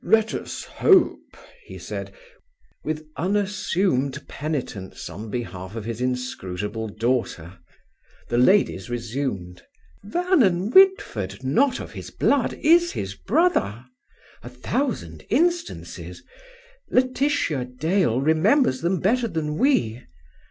"Let us hope ...!" he said, with unassumed penitence on behalf of his inscrutable daughter. The ladies resumed: " Vernon Whitford, not of his blood, is his brother!" " A thousand instances! Laetitia Dale remembers them better than we."